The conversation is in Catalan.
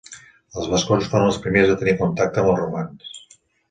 Els vascons foren els primers a tenir contacte amb els romans.